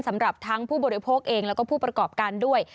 สำหรับทั้งผู้บริโภคเองแล้วก็ผู้ประกอบการด้วย